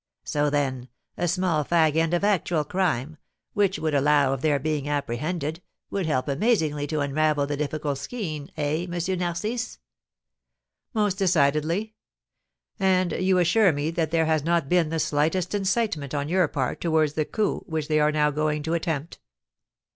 "So, then, a small fag end of actual crime, which would allow of their being apprehended, would help amazingly to unravel the difficult skein, eh, M. Narcisse?" "Most decidedly. And you assure me that there has not been the slightest incitement on your part towards the coup which they are now going to attempt?"